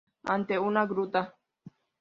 Ante una gruta.